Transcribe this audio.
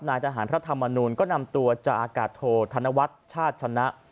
นายทหารพระธรรมนูลก็นำตัวจากอากาศโทษธนวัฒน์ชาติชนะ